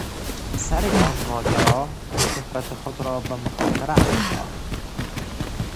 سر آن ماجرا شهرت خود را به مخاطره انداخت.